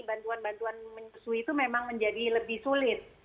bantuan bantuan menyusui itu memang menjadi lebih sulit